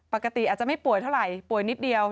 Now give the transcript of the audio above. อาจจะไม่ป่วยเท่าไหร่ป่วยนิดเดียว